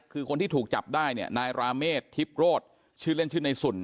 คือคนที่ถูกจับได้เนี่ยนายราเมฆทิพย์โรศชื่อเล่นชื่อในสุน